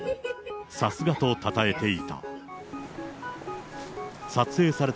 さすがとたたえていた。